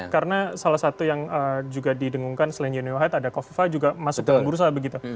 karena salah satu yang juga didengungkan selain yeni wahid ada kofifah juga masuk ke anggurusa